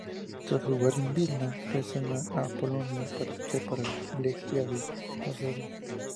Tras jugar en Vilna, regresa a Polonia para fichar por el Legia de Varsovia.